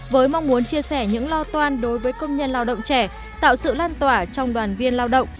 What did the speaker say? với mong muốn chia sẻ những lo toan đối với công nhân lao động trẻ tạo sự lan tỏa trong đoàn viên lao động